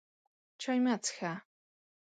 چای مه څښه!